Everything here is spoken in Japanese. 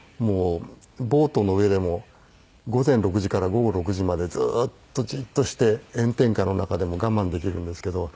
ボートの上でも午前６時から午後６時までずーっとじっとして炎天下の中でも我慢できるんですけど。